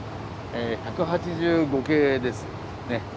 １８５形ですね。